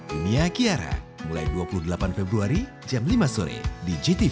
dunia kiara mulai dua puluh delapan februari jam lima sore di gtv